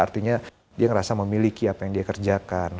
artinya dia ngerasa memiliki apa yang dia kerjakan